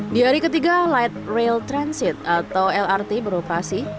di hari ketiga light rail transit atau lrt beroperasi